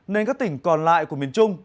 nên các tỉnh còn lại của miền trung